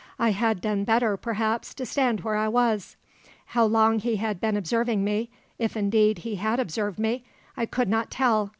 I had done better, perhaps, to stand where I was. How long he had been observing me if, indeed, he had observed me I could not tell.